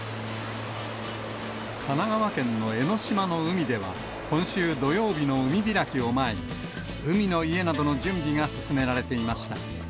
神奈川県の江の島の海では、今週土曜日の海開きを前に、海の家などの準備が進められていました。